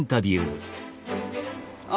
あ！